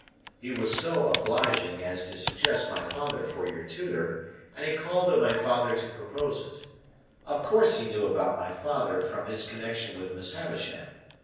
"He was so obliging as to suggest my father for your tutor, and he called on my father to propose it. Of course he knew about my father from his connection with Miss Havisham.